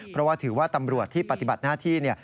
เพราะว่าถือว่าตำรวจที่ปฏิบัติหน้าที่